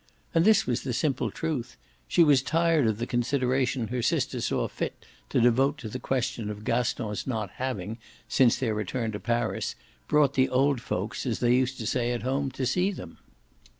And this was the simple truth; she was tired of the consideration her sister saw fit to devote to the question of Gaston's not having, since their return to Paris, brought the old folks, as they used to say at home, to see them.